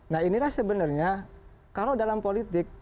nah inilah sebenarnya kalau dalam politik